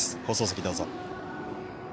放送席、どうぞ。